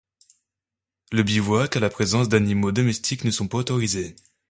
Le bivouac et la présence d'animaux domestiques ne sont pas autorisés.